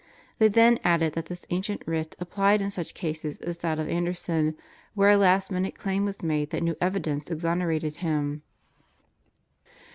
They then added that this ancient writ applied in such cases as that of Anderson, where a last minute claim was made that new evidence exonerated him.